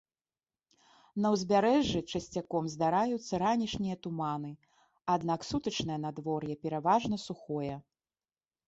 На ўзбярэжжы часцяком здараюцца ранішнія туманы, аднак сутачнае надвор'е пераважна сухое.